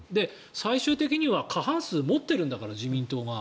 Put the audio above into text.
最終的には過半数を持っているんだから、自民党が。